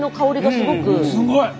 すごい！